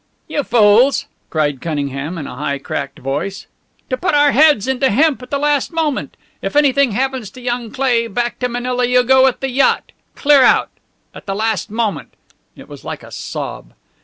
"You fools!" cried Cunningham in a high, cracked voice. "To put our heads into hemp at the last moment. If anything happens to young Cleigh, back to Manila you go with the yacht! Clear out! At the last moment!" It was like a sob.